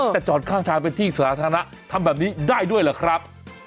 แต่จอดข้างทางเป็นที่สาธารณะทำแบบนี้ได้ด้วยเหรอครับ